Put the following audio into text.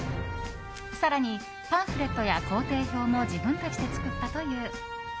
更に、パンフレットや行程表も自分たちで作ったという。